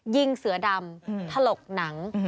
ยิงเสือดำถลกหนัง